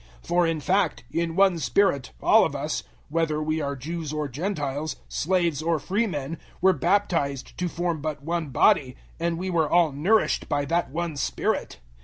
012:013 For, in fact, in one Spirit all of us whether we are Jews or Gentiles, slaves or free men were baptized to form but one body; and we were all nourished by that one Spirit.